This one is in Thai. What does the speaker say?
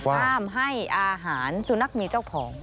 ห้ามให้อาหารสุนัขมีเจ้าของ